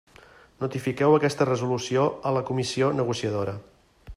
Notifiqueu aquesta resolució a la Comissió negociadora.